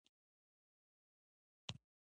د طیارې د الوت لپاره هوايي برج اجازه ورکوي.